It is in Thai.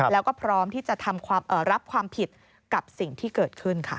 แล้วก็พร้อมที่จะรับความผิดกับสิ่งที่เกิดขึ้นค่ะ